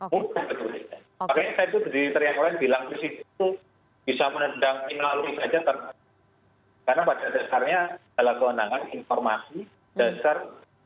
pokoknya saya itu teriak teriak bilang di situ bisa menendangin lalu saja karena batas akhirnya adalah kewenangan informasi dasar